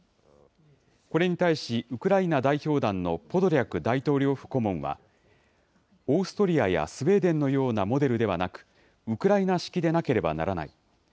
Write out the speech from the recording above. これに対しウクライナ代表団のポドリャク大統領府顧問はオーストリアやスウェーデンのようなモデルではなくウクライナ式でなければならない。